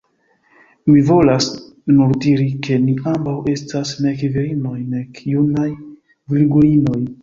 Mi volas nur diri, ke ni ambaŭ estas nek virinoj, nek junaj virgulinoj.